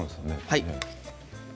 はい。